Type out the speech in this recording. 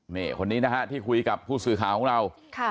นี่คนนี้นะฮะที่คุยกับผู้สื่อข่าวของเรา